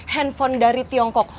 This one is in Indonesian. handphone dari tiongkok